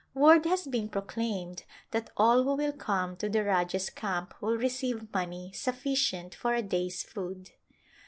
Word has been proclaimed that all who will come to the Rajah's camp will receive money suffi cient for a day's food.